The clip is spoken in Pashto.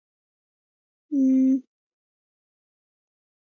چാണکیا د هغه وزیر او لارښود و.